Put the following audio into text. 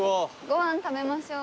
ご飯食べましょう。